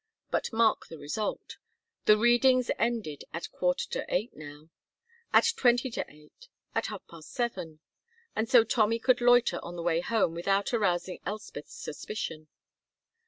But mark the result. The readings ended at a quarter to eight now, at twenty to eight, at half past seven, and so Tommy could loiter on the way home without arousing Elspeth's suspicion.